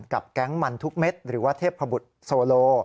แก๊งมันทุกเม็ดหรือว่าเทพบุตรโซโล